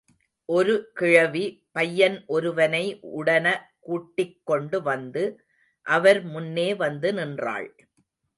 ஒருகிழவி பையன் ஒருவனை உடனகூட்டிக் கொண்டு வந்து அவர் முன்னே வந்து நின்றாள்.